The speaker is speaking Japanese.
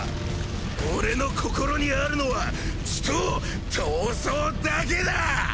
俺の心にあるのは血と闘争だけだ！